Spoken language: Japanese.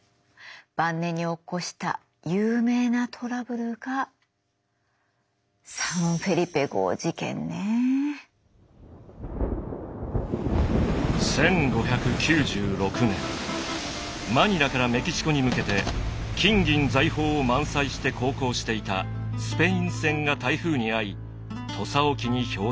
晩年に起こした有名なトラブルがマニラからメキシコに向けて金銀財宝を満載して航行していたスペイン船が台風に遭い土佐沖に漂着します。